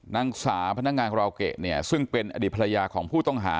นางสาวพนักงานราวเกะเนี่ยซึ่งเป็นอดีตภรรยาของผู้ต้องหา